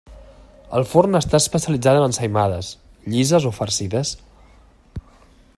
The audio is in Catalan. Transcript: El forn està especialitzat en ensaïmades, llises o farcides.